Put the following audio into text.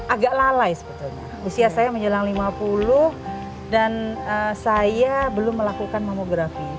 agak lalai sebetulnya usia saya menjelang lima puluh dan saya belum melakukan momografi